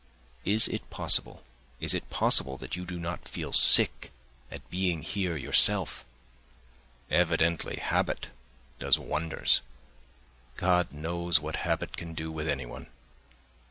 Is it possible, is it possible that you do not feel sick at being here yourself? Evidently habit does wonders! God knows what habit can do with anyone.